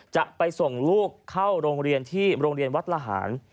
จะไปส่งลูกเข้าโรงเรียนที่โรงเรียนวัดละหาร